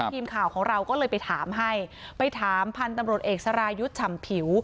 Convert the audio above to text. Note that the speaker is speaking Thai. ทีมข่าวของเราก็เลยไปถามให้ไปถามพันธุ์ตำรวจเอกสรายุทธ์ฉ่ำผิว